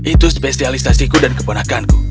itu spesialisasiku dan keponakanku